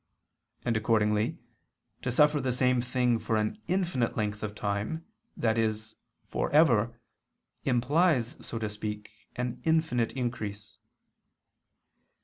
And accordingly, to suffer the same thing for an infinite length of time, i.e. for ever, implies, so to speak, an infinite increase.